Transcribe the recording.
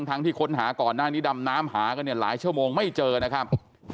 ทั้งที่ค้นหาก่อนหน้านี้ดำน้ำหากันเนี่ยหลายชั่วโมงไม่เจอนะครับ